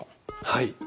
はい。